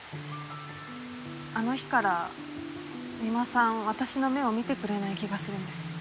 あの日から三馬さん私の目を見てくれない気がするんです。